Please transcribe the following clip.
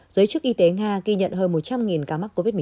giới chức y tế nga ghi nhận hơn một trăm linh ca bệnh